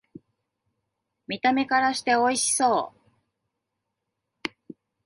見た目からしておいしそう